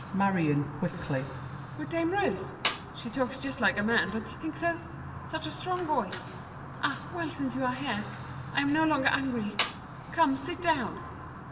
MARION (quickly). With Dame Rose! She talks just like a man, don't you think so? Such a strong voice! Ah, well, since you are here I am no longer angry! Come, sit down.